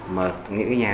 mà những cái nhà